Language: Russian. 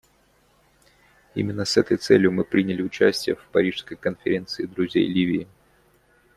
Именно с этой целью мы приняли участие в парижской конференции друзей Ливии.